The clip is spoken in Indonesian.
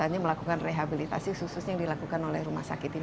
misalnya melakukan rehabilitasi susus yang dilakukan oleh rumah sakit ini